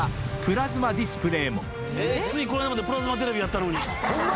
ついこの間までプラズマテレビやったのに。